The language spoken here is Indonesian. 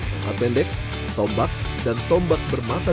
tongkat pendek tombak dan tombak bermata bola